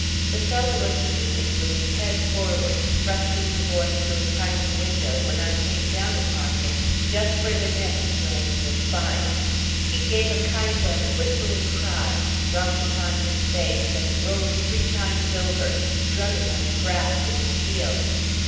The fellow was stooping with his head forward thrusting the boy through a tiny window, when I came down upon him just where the neck joins the spine. He gave a kind of whistling cry, dropped upon his face, and rolled three times over, drumming on the grass with his heels.